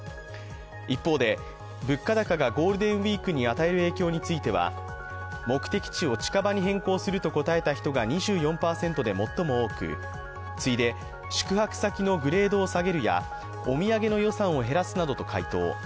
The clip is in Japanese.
一方で、物価高がゴールデンウイークに与える影響については目的地を近場に変更すると答えた人が２４％で最も多く次いで、宿泊先のグレードを下げるやお土産の予算を減らすなどと回答。